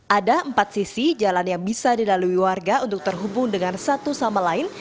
ada empat sisi jalan yang bisa dilalui warga untuk terhubung dengan satu sama lain